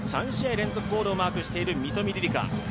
３試合連続でゴールをマークしている三冨りりか。